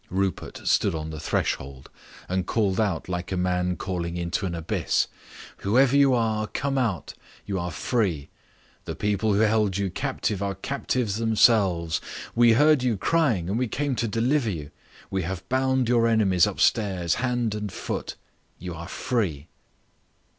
Rupert stood on the threshold, and called out like a man calling into an abyss: "Whoever you are, come out. You are free. The people who held you captive are captives themselves. We heard you crying and we came to deliver you. We have bound your enemies upstairs hand and foot. You are free."